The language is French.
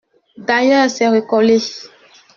D’ailleurs, c’est recollé !